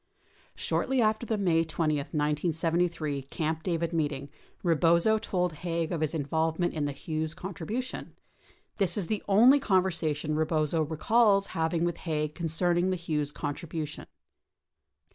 47 Shortly after the May 20, 1973, Gamp David meeting, Eebozo told Haig of his involvement in the Hughes contribution. This is the only conversation Eebozo recalls having with Haig concerning the Hughes contribution.